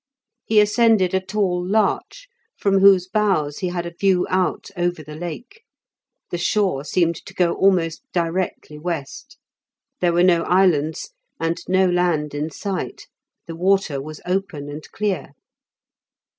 He ascended a tall larch, from whose boughs he had a view out over the Lake; the shore seemed to go almost directly west. There were no islands, and no land in sight; the water was open and clear.